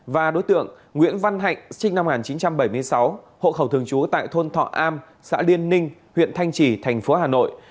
và đối tượng nguyễn văn hạnh sinh năm một nghìn chín trăm bảy mươi sáu hộ khẩu thường trú tại thôn thọ am xã liên ninh huyện thanh trì thành phố hà nội